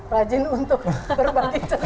rajin untuk berbagi cerita